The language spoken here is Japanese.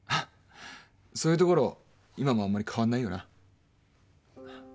そういうところ今もあんまり変わんないよな。